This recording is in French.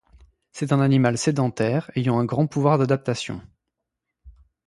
C'est un animal sédentaire ayant un grand pouvoir d'adaptation.